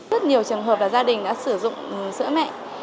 rất nhiều trường hợp là gia đình đã sử dụng sữa mẹ